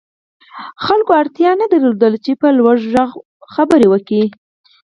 خلکو اړتیا نه درلوده چې په لوړ غږ وغږېږي